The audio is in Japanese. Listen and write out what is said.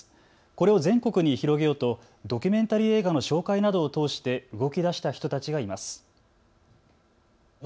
これを全国に広げようとドキュメンタリー映画の紹介などを通して動きだした人たちがいます。